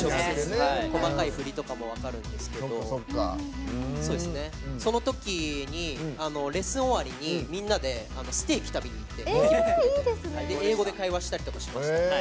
細かい振りとかも分かるんですけどそのときにレッスン終わりにみんなでステーキ食べに行って英語で会話したりとかしました。